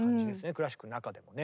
クラシックの中でもね。